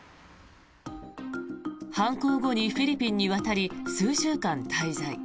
犯行後にフィリピンに渡り数週間滞在。